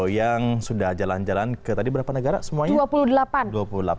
yang sudah jalan jalan ke tadi berapa negara semuanya